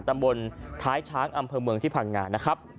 ตำบลท้ายช้างอำเภอเมืองที่พังงานะครับ